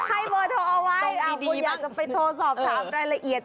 ให้เบอร์โทรเอาไว้คุณอยากจะไปโทรสอบถามรายละเอียด